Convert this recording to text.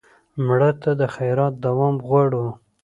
مړه ته د خیرات دوام غواړو